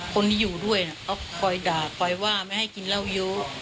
คนที่อยู่ด้วยเขาคอยด่าคอยว่าไม่ให้กินเหล้าเยอะ